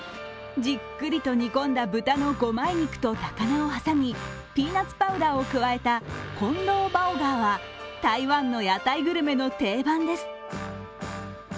じっくりと煮込んだ豚の五枚肉と高菜を挟みピーナッツパウダーを加えたコンローバオガーは台湾の屋台グルメの定番です。